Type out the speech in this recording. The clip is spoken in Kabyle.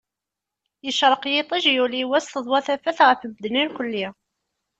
Yecreq yiṭij, yuli wass, teḍwa tafat ɣef medden irkulli.